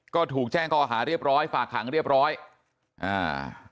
ก็ถูกแจ้งข้อหาเรียบร้อยฝากขังเรียบร้อยอ่า